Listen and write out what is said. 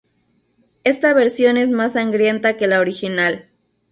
Esta versión es más sangrienta que la original.